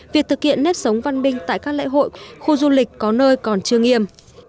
việc thực hiện nếp sống văn minh tại các lễ hội khu du lịch có nơi còn chưa nghiêm